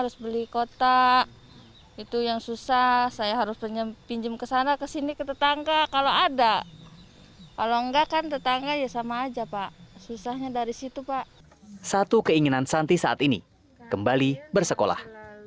satu keinginan santi saat ini kembali bersekolah